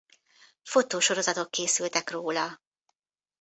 Fotósorozatok készültek róla.